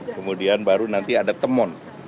kemudian baru nanti ada temuan